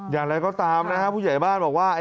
อย่างไรก็ตามนะครับผู้ใหญ่บ้านบอกว่า